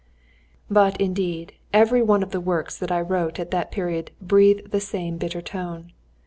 ] But, indeed, every one of the works that I wrote at that period breathe the same bitter tone.